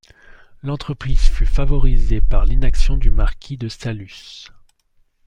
L'entreprise fut favorisée par l'inaction du Marquis de Saluces.